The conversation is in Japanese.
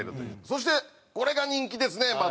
そしてこれが人気ですねまた。